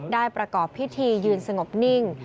ประกอบพิธียืนสงบนิ่ง